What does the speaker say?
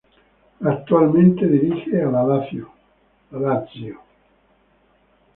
Actualmente dirige a la Lazio.